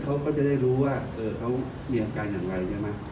เขาก็จะได้รู้ว่าเขามีอาการอย่างไรใช่ไหม